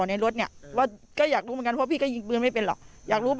ในรถเนี่ยว่าก็อยากรู้เหมือนกันเพราะพี่ก็ยิงปืนไม่เป็นหรอกอยากรู้